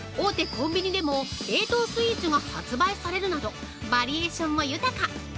コンビニでも冷凍スイーツが発売されるなどバリエーションも豊か！